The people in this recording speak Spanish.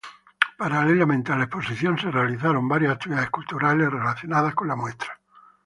Paralelamente a la Exposición se realizaron varias actividades culturales relacionadas con la muestra.